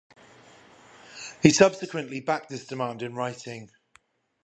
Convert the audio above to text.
He subsequently backed this demand in writing.